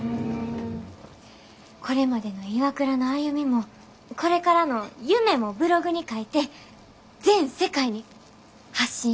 これまでのＩＷＡＫＵＲＡの歩みもこれからの夢もブログに書いて全世界に発信してみませんか？